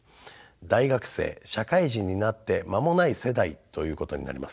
大学生社会人になって間もない世代ということになります。